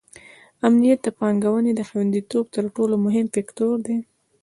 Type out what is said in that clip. امنیت د پانګونې د خونديتوب تر ټولو مهم فکتور دی.